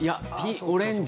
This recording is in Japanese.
オレンジ？